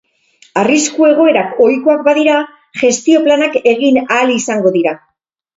Arrisku egoerak ohikoak badira, gestio planak egin ahal izango dira.